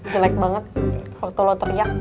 jelek banget waktu lo teriak